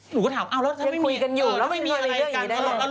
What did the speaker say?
หนูก็ถามเอ้าแล้วถ้าไม่มีอะไรกัน